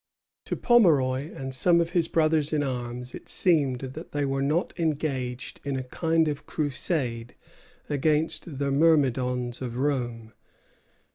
To Pomeroy and some of his brothers in arms it seemed that they were engaged in a kind of crusade against the myrmidons of Rome.